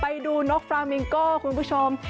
ไปดูนกฟรามิงโก้คุณผู้ชม